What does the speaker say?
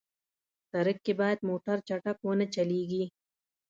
سړک کې باید موټر چټک ونه چلېږي.